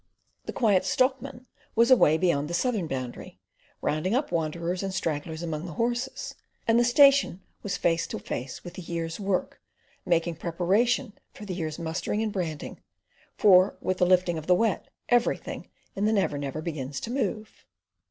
The Quiet Stockman was away beyond the southern boundary, rounding up wanderers and stragglers among the horses, and the station was face to face with the year's work, making preparations for the year's mustering and branding—for with the lifting of the Wet everything in the Never Never begins to move.